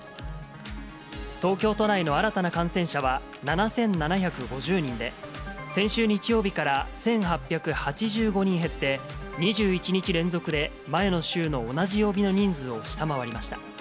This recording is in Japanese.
東京都内の新たな感染者は、７７５０人で、先週日曜日から１８８５人減って、２１日連続で、前の週の同じ曜日の人数を下回りました。